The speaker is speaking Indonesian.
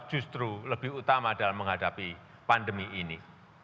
justru lebih utama dalam menghadapi pandemi ini